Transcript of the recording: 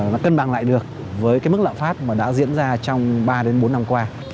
nó cân bằng lại được với cái mức lạm phát mà đã diễn ra trong ba đến bốn năm qua